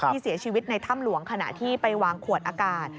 เสียชีวิตในถ้ำหลวงขณะที่ไปวางขวดอากาศ